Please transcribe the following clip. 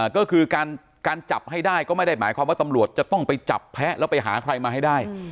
ก็คือการจับให้ได้ก็ไม่ได้หมายความว่าตำรวจจะต้องไปจับแพ้แล้วไปหาใครมาให้ได้